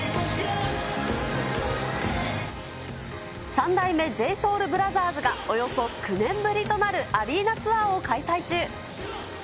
三代目ＪＳＯＵＬＢＲＯＴＨＥＲＳがおよそ９年ぶりとなるアリーナツアーを開催中。